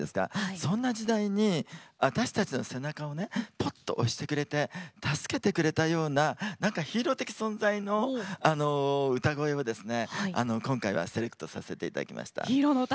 そんな時代に私たちの背中をぽっと押してくれて助けてくれたヒーロー的存在な歌声を今回はセレクトさせていただきました。